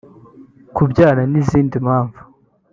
kubyara n’izindi mpamvu